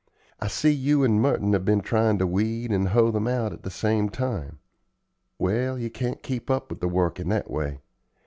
I see you and Merton have been tryin' to weed and hoe them out at the same time. Well, you can't keep up with the work in that way.